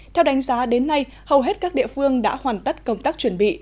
theo đánh giá đến nay hầu hết các địa phương đã hoàn tất công tác chuẩn bị